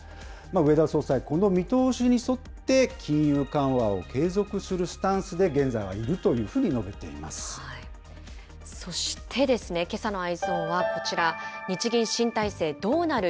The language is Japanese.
植田総裁、この見通しに沿って金融緩和を継続するスタンスで現在はいるといそしてですね、けさのＥｙｅｓｏｎはこちら、日銀・新体制、どうなる？